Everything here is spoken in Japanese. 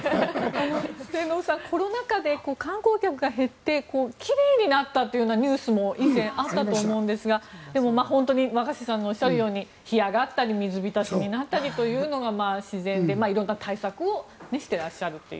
末延さん、コロナ禍で観光客が減って奇麗になったというニュースも以前、あったと思うんですが若新さんのおっしゃったように干上がったり水浸しになったりというのが自然で、色んな対策をしていらっしゃるという。